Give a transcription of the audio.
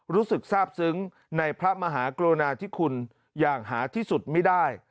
รู้สึกทราบซึ้งในพระมหากรุณาธิคุณอย่างหาที่สุดไม่ได้